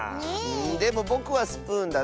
でもぼくはスプーンだな。